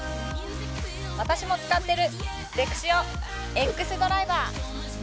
私も使ってる、エクシオＸドライバー。